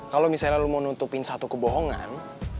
kalau misalnya lo mau nutupin satu kebohongan